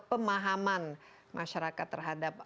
pemahaman masyarakat terhadap